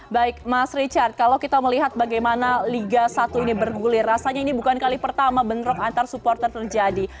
baik mas richard kalau kita melihat bagaimana liga satu ini bergulir rasanya ini bukan kali pertama bentrok antar supporter terjadi